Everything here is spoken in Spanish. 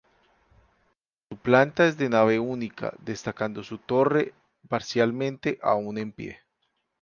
Su planta es de nave única, destacando su torre, parcialmente aún en pie.